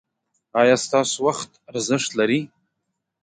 ایا ستاسو وخت ارزښت لري؟